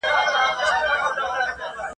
او د هغې پاته شتمني به يې تر لاسه کړله